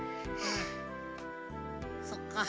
そっか。